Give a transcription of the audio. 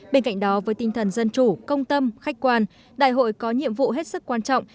bên cạnh đó với tinh thần dân chủ công tâm khách quan đại hội có nhiệm vụ hết sức quan trọng